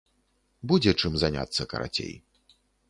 Будзе, чым заняцца, карацей.